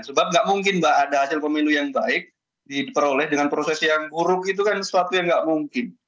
sebab nggak mungkin mbak ada hasil pemilu yang baik diperoleh dengan proses yang buruk itu kan sesuatu yang nggak mungkin